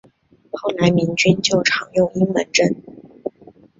后来民军就常用阴门阵。